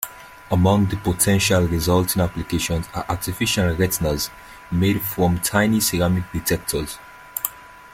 Among the potential resulting applications are artificial retinas made from tiny ceramic detectors.